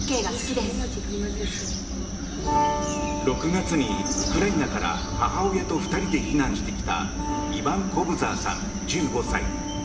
６月にウクライナから母親と２人で避難してきたイバン・コブザーさん、１５歳。